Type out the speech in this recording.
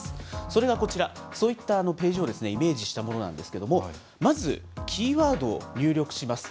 それがこちら、そういったページをイメージしたものなんですけれども、まず、キーワードを入力します。